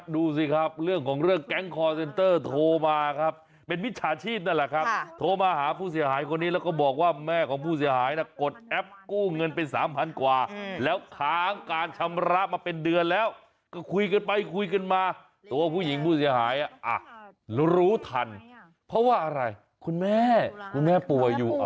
ดูสิครับเรื่องของเรื่องแก๊งคอร์เซ็นเตอร์โทรมาครับเป็นมิจฉาชีพนั่นแหละครับโทรมาหาผู้เสียหายคนนี้แล้วก็บอกว่าแม่ของผู้เสียหายนะกดแอปกู้เงินไปสามพันกว่าแล้วค้างการชำระมาเป็นเดือนแล้วก็คุยกันไปคุยกันมาตัวผู้หญิงผู้เสียหายอ่ะรู้ทันเพราะว่าอะไรคุณแม่คุณแม่ป่วยอยู่